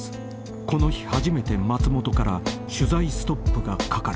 ［この日初めて松本から取材ストップがかかる］